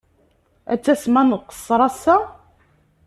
Ad tasem ad nqeṣṣer ass-a?